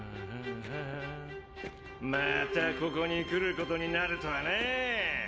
またここに来ることになるとはなぁ。